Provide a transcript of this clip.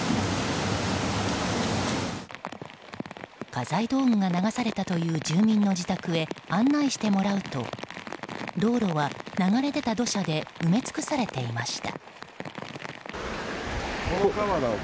家財道具が流されたという住民の自宅へ案内してもらうと道路は流れ出た土砂で埋め尽くされていました。